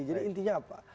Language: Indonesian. jadi intinya apa